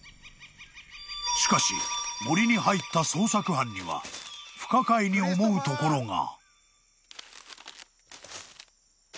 ［しかし森に入った捜索班には不可解に思うところが］